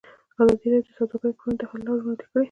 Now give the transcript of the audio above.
ازادي راډیو د سوداګري پر وړاندې د حل لارې وړاندې کړي.